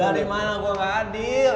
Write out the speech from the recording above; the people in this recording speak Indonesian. darimana gue gak adil